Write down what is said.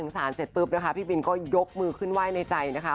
สารเสร็จปุ๊บนะคะพี่บินก็ยกมือขึ้นไหว้ในใจนะคะ